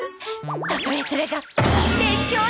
たとえそれが勉強でも！